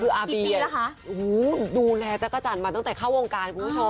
กี่ปีแล้วคะดูแลจักรจันทร์มาตั้งแต่เข้าวงการคุณผู้ชม